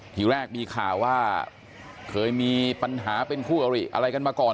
ทีแรกมีข่าวว่าเคยมีปัญหาเป็นคู่อริอะไรกันมาก่อน